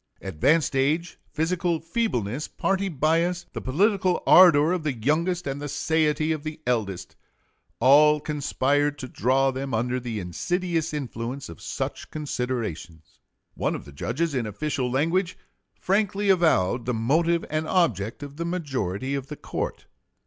Advanced age, physical feebleness, party bias, the political ardor of the youngest and the satiety of the eldest, all conspired to draw them under the insidious influence of such considerations. One of the judges in official language frankly avowed the motive and object of the majority of the court.